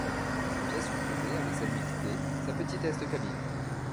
Cette pièce lui plaisait, avec sa nudité, sa petitesse de cabine.